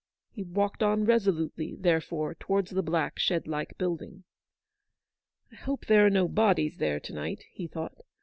He walked on resolutely, therefore, towards the black, shed like building. " I hope there are no bodies there to night/' he thought.